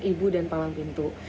ibu dan palang pintu